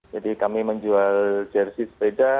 jadi kami menjual jersey sepeda